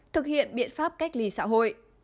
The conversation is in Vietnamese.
thực hiện biện pháp cách ly xã hội